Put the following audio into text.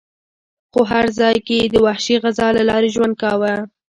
خو هر ځای کې یې د وحشي غذا له لارې ژوند کاوه.